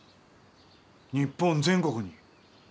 日本全国に。